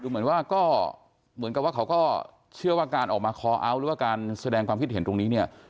เหมือนกับว่าเขาก็เชื่อว่าการออกมาคออัวต์หรือว่าการแสดงความคิดเห็นตรงนี้